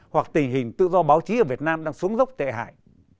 hoặc tình hình tự do báo chí ở việt nam đang xuống dốc tệ hại